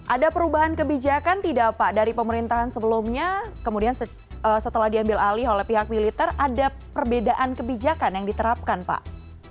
ada perubahan kebijakan tidak pak dari pemerintahan sebelumnya kemudian setelah diambil alih oleh pihak militer ada perbedaan kebijakan yang diterapkan pak